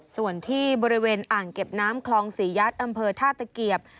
ส่วนที่บริเวณอ่างเก็บน้ำคลองศรียัดอำเภอท่าตะเกียบ